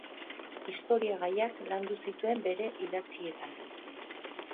Historia gaiak landu zituen bere idatzietan.